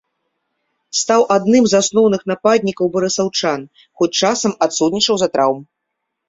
Стаў адным з асноўных нападнікаў барысаўчан, хоць часам адсутнічаў з-за траўм.